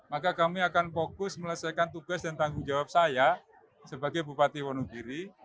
maka kami akan fokus melesaikan tugas dan tanggung jawab saya sebagai bupati wonogiri